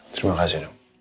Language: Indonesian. terima kasih dong